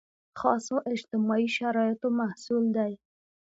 خاصو اجتماعي شرایطو محصول دی.